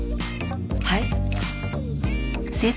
はい？